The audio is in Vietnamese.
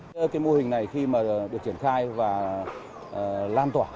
cái mô hình này khi mà được triển khai và lan tỏa